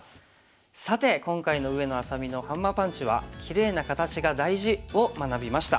さて今回の上野愛咲美のハンマーパンチは「キレイな形が大事」を学びました。